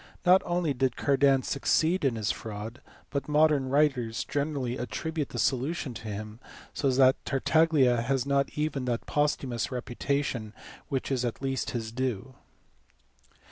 Not only did Cardan succeed in his fraud, but modern writers generally attribute the solution to him, so that Tartaglia has not even that posthumous reputation which is at least his due.